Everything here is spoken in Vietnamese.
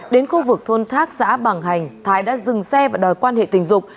đến khu vực thôn thác xã bằng hành thái đã dừng xe và đòi quan hệ tình dục